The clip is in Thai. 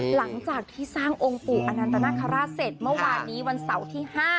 หลังจากที่สร้างองค์ปรูปอนางตนนาคาราสเต็มเมื่อวานนี้วันเสาร์ที่๕สิงหาคม